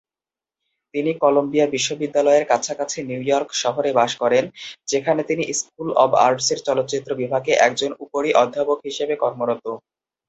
তিনি কলাম্বিয়া বিশ্ববিদ্যালয়ের কাছাকাছি নিউ ইয়র্ক শহরে বাস করেন, যেখানে তিনি স্কুল অব আর্টসের চলচ্চিত্র বিভাগে একজন উপরি-অধ্যাপক হিসেবে কর্মরত।